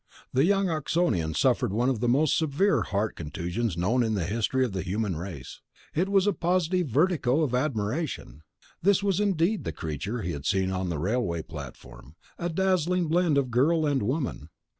The young Oxonian suffered one of the most severe heart contusions known in the history of the human race. It was a positive vertigo of admiration. This was indeed the creature he had seen on the railway platform: a dazzling blend of girl and woman.